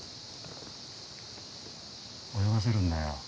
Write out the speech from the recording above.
泳がせるんだよ。